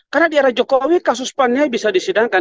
karena di kawatan jokowi kasus panjang bisa disidangkan